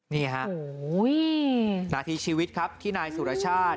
นี่ฮะนาทีชีวิตครับที่นายสุรชาติ